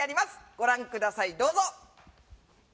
ご覧ください、どうぞ。